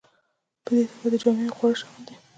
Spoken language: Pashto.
په دې توکو کې جامې او خواړه شامل دي.